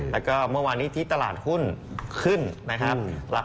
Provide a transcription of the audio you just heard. แล้วก็เมื่อวานนี้ที่ตลาดหุ้นขึ้นนะครับ